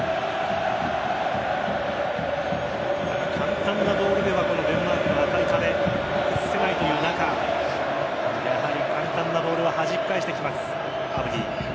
ただ、簡単なボールではデンマークの赤い壁は崩せないという中やはり簡単なボールははじき返してきます。